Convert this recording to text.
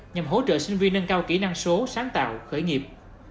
nhằm hỗ trợ sinh viên nâng cao kỹ năng số sáng tạo khởi nghiệp